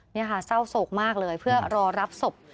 นี่ค่ะเศร้าโศกมากเลยเพื่อรอรับศพ